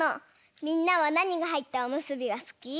みんなはなにがはいったおむすびがすき？